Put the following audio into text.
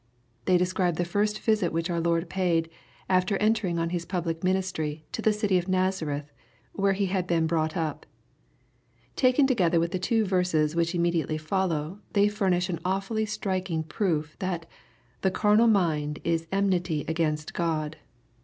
They describe the first visit which our Lo^rd paid^ after eotenDg on His public minis try, to the city of Nazareth, where He had been brought up. Taken together with the two verses which imme diately follow, they furnish an awfully striking proof^ that '^ the carnal mind is enmity against God."